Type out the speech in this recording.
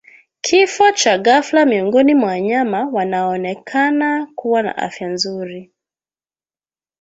Kifo cha ghafla miongoni mwa wanyama wanaoonekana kuwa na afya nzuri